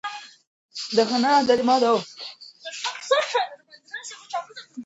څراغ ته نږدې شه ترڅو حقیقت په ښه توګه وګورې.